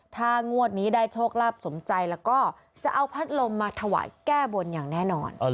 ถ้างวดนี้ได้โชคลาภสมใจแล้วก็จะเอาพัดลมมาถวายแก้บนอย่างแน่นอน